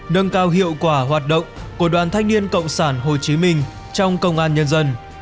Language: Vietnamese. nâng cao hiệu quả hoạt động của đoàn thanh niên cộng sản hồ chí minh trong công an nhân dân